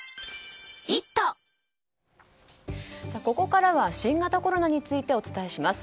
ここからは新型コロナについてお伝えします。